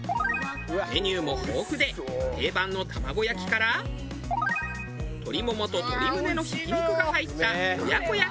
メニューも豊富で定番の玉子焼きから鶏ももと鶏むねのひき肉が入った親子焼き。